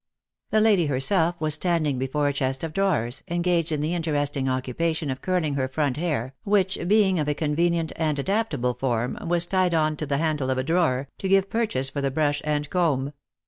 The lady herself was standing before a chest of drawers, en gaged in the interesting occupation of curling her front hair, which, being of a convenient and adaptable form, was tied on to the handle of a drawer, to give purchase for the brush and comb.